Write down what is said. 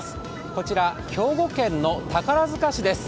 こちら、兵庫県の宝塚市です